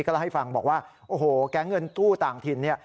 ก็เล่าให้ฟังบอกว่าโอ้โหแก๊งเงินกู้ต่างถิ่นเนี่ย